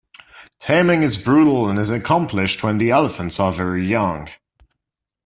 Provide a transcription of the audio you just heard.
Taming is brutal and is accomplished when the elephants are very young.